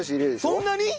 そんなに！？